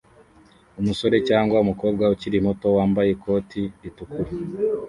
Umusore cyangwa umukobwa ukiri muto wambaye ikoti ritukura